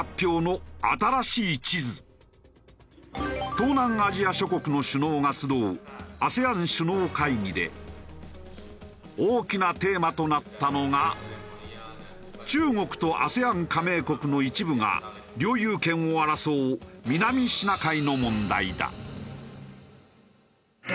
東南アジア諸国の首脳が集うＡＳＥＡＮ首脳会議で大きなテーマとなったのが中国とＡＳＥＡＮ加盟国の一部が領有権を争う南シナ海の問題だ。